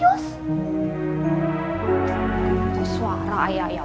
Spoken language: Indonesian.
ada gak sih ga